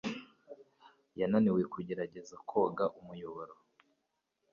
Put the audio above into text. Yananiwe kugerageza koga Umuyoboro